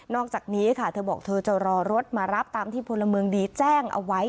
อกจากนี้ค่ะเธอบอกเธอจะรอรถมารับตามที่พลเมืองดีแจ้งเอาไว้